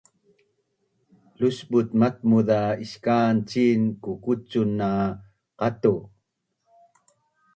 Lusbut matmuz za iskan cin kukucun na qatu’